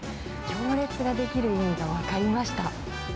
行列が出来る意味が分かりました。